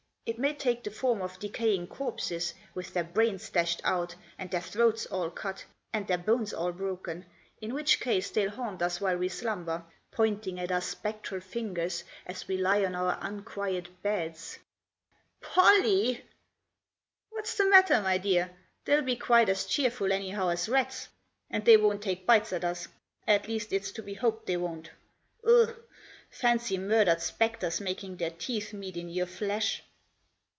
It may take the form of decaying corpses, with their brains dashed out, and their throats all cut, and their bones all broken, in which case they'll haunt us while we slumber, pointing at us spectral fingers as we lie on our unquiet beds " "Pollie!" " What's the matter, my dear ? They'll be quite as cheerful anyhow as rats, and they won't take bites at us. At least, it's to be hoped they won't Ugh ! fancy murdered spectres making their teeth meet in your flesh